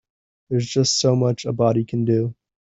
There's just so much a body can do.